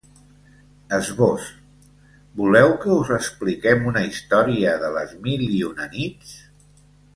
Esbós: Voleu que us expliquem una història de ‘Les mil i una nits’?